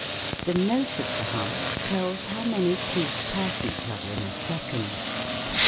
The note of the hum tells how many teeth pass each other in a second.